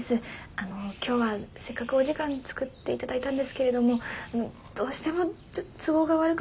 あの今日はせっかくお時間つくって頂いたんですけれどもどうしても都合が悪くなってしまって。